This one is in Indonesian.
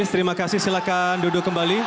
terima kasih silakan duduk kembali